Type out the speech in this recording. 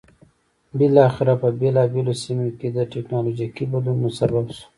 بالاخره په بېلابېلو سیمو کې د ټکنالوژیکي بدلونونو سبب شو.